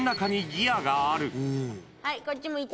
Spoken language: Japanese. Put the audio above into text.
はい、こっち向いて。